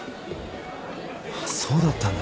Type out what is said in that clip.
そうだったんだ。